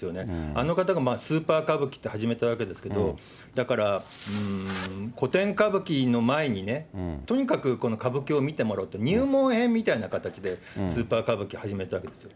あの方がスーパー歌舞伎って始めたわけですけど、だから、古典歌舞伎の前にね、とにかくこの歌舞伎を見てもらおうと、入門編みたいな形でスーパー歌舞伎を始めたわけですよ。